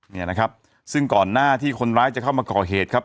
เนี่ยนะครับซึ่งก่อนหน้าที่คนร้ายจะเข้ามาก่อเหตุครับ